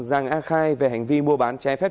giàng a khai về hành vi mua bán trái phép